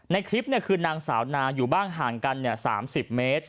ในคลิปคือนางสาวนาอยู่บ้านห่างกัน๓๐เมตร